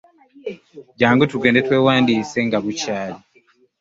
Jjangu tugende twewandiise nga bukyali.